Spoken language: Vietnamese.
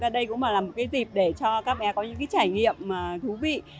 đây cũng là một dịp để cho các bé có những trải nghiệm thú vị